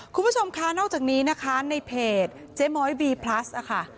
คุณผู้ชมค่ะนอกจากนี้นะคะในเพจเจ๊ม้อยบีพลัสนะคะ